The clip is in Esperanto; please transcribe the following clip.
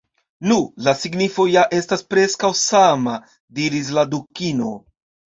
"Nu, la signifo ja estas preskaŭ sama," diris la Dukino